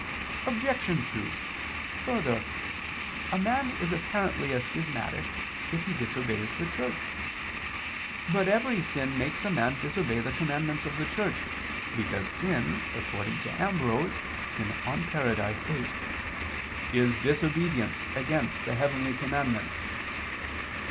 Obj. 2: Further, a man is apparently a schismatic if he disobeys the Church. But every sin makes a man disobey the commandments of the Church, because sin, according to Ambrose (De Parad. viii) "is disobedience against the heavenly commandments."